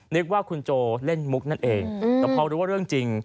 นึกว่าคุณโจเล่นมุกนั่นเองแต่พอรู้ว่าเรื่องจริง